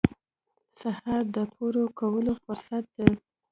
سهار د پوره کولو فرصت دی.